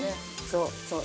そうそう。